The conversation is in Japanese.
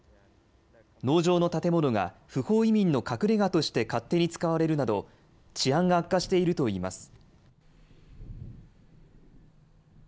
農場の建物が不法移民の隠れ家として勝手に使われるなど治安が悪化しているといいます。